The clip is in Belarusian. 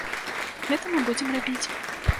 Гэта мы будзем рабіць.